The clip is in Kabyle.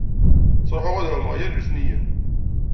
Ttruḥuɣ ad ɛummeɣ yal letniyen.